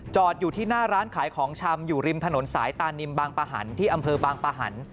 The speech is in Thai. อยู่ที่หน้าร้านขายของชำอยู่ริมถนนสายตานิมบางปะหันที่อำเภอบางปะหัน